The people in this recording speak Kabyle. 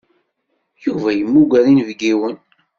Yuba yemmuger inebgiwen.